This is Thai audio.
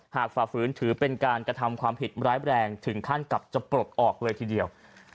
ฝ่าฝืนถือเป็นการกระทำความผิดร้ายแรงถึงขั้นกับจะปลดออกเลยทีเดียว